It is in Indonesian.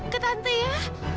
ke tante ya